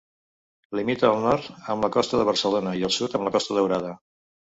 Limita al nord amb la Costa de Barcelona i al sud amb la Costa Daurada.